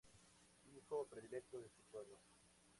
Hijo predilecto de su pueblo.